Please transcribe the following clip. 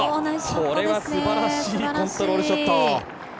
これはすばらしいコントロールショット。